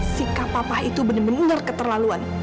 sikap papah itu benar benar keterlaluan